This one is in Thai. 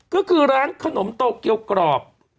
ก็คือร้านขนมโตเกียวกรอบ